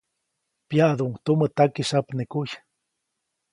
Pyaʼduʼuŋ tumä takisyapnekuy.